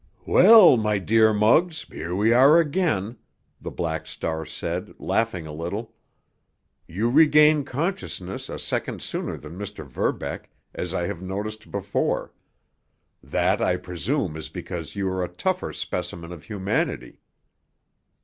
"Well, my dear Muggs, here we are again," the Black Star said, laughing a little. "You regain consciousness a second sooner than Mr. Verbeck, as I have noticed before. That, I presume, is because you are a tougher specimen of humanity."